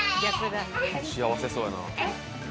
幸せそうやな。